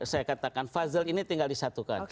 saya katakan puzzle ini tinggal disatukan